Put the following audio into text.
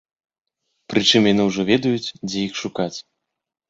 Прычым яны ўжо ведаюць, дзе іх шукаць.